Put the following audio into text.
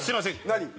何？